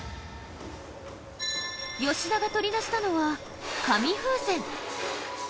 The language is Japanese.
吉田が取り出したのは紙風船。